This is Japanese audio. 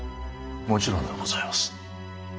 もちろんでございます。